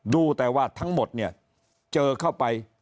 ดูแต่ว่าทั้งหมดเจอเข้าไป